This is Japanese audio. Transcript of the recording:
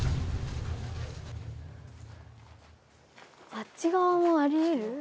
あっちがわもありえる？